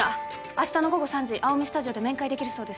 あしたの午後３時あおみスタジオで面会できるそうです。